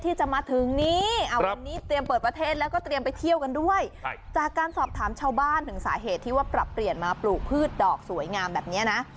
ที่จะมาถึงนี้วันนี้เตรียมเปิดประเทศแล้วก็เตรียมไปเที่ยวกันด้วยจากการสอบถามชาวบ้านถึงสาเหตุที่ว่าปรับเปลี่ยนมาปลูกพืชดอกสวยงามแบบนี้นะ